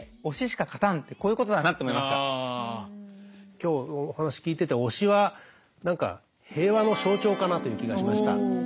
今日お話聞いてて推しは何か平和の象徴かなという気がしました。